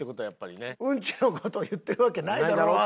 「うんちの事を言ってるわけないだろ！」。